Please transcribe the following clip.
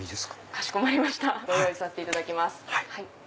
かしこまりましたご用意させていただきます。